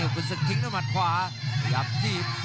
คุณศึกทิ้งด้วยหมัดขวาขยับถีบ